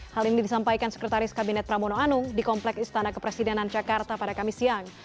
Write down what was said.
hal ini disampaikan sekretaris kabinet pramono anung di komplek istana kepresidenan jakarta pada kamis siang